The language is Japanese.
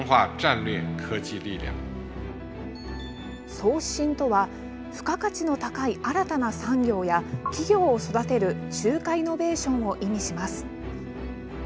創新とは、付加価値の高い新たな産業や企業を育てる中華イノベーションを意味します。